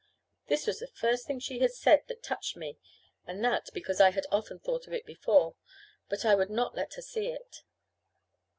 This was the first thing she had said that touched me; and that because I had often thought of it before. But I would not let her see it.